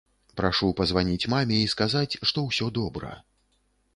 Прашу пазваніць маме і сказаць, што ўсё добра.